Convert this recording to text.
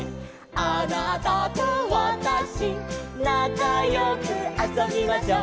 「あなたとわたし」「なかよくあそびましょう」